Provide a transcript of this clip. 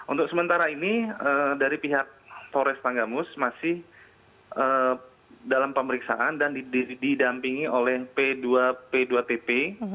untuk sementara ini dari pihak polres tanggamus masih dalam pemeriksaan dan didampingi oleh p dua p dua tp